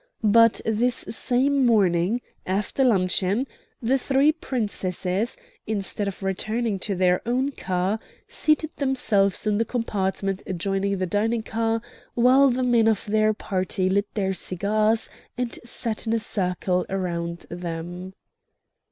But this same morning, after luncheon, the three Princesses, instead of returning to their own car, seated themselves in the compartment adjoining the dining car, while the men of their party lit their cigars and sat in a circle around them.